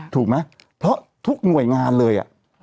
ถูกไหมเพราะทุกหน่วยงานเลย